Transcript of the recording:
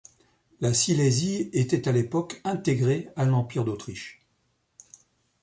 La Silésie était à l'époque intégrée à l'Empire d'Autriche.